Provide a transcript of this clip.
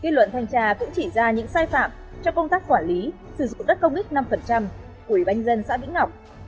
kết luận thanh tra cũng chỉ ra những sai phạm cho công tác quản lý sử dụng đất công ích năm của ủy ban dân xã vĩnh ngọc